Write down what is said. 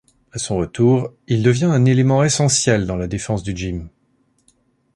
À son retour, il devient un élément essentiel dans la défense du Gym.